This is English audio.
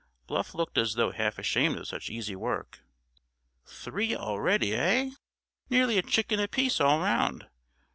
Bluff looked as though half ashamed of such easy work. "Three already, eh? Nearly a chicken apiece, all around.